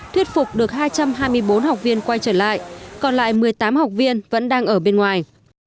thuyết phục được hai trăm hai mươi bốn học viên quay trở lại còn lại một mươi tám học viên vẫn đang ở bên ngoài